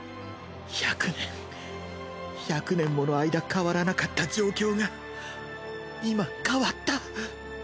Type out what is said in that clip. １００年１００年もの間変わらなかった状況が今変わった！